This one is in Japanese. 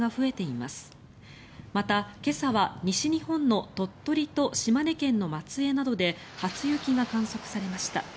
また今朝は西日本の鳥取と島根県の松江などで初雪が観測されました。